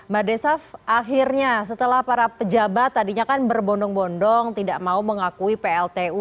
mbak desaf akhirnya setelah para pejabat tadinya kan berbondong bondong tidak mau mengakui pltu